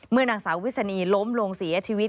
เมื่อนางสาววิษณีล้มลงเสียชีวิต